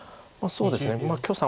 そうですね。